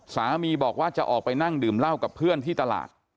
สามีบอกว่าจะออกไปนั่งดื่มเหล้ากับเพื่อนที่ตลาด